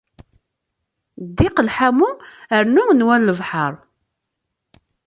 Ddiq, lḥamu rnu nnwa n lebḥer.